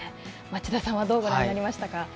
町田さんはどうご覧になりましたか。